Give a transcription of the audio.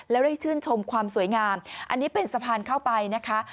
แล้วได้ชื่นชมความสวยงามอันนี้เป็นสะพานเข้าไปนะคะ